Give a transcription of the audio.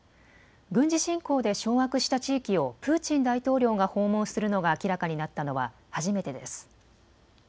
軍事侵攻で掌握した地域をプーチン大統領が訪問するのが明らかになったのは初めてです。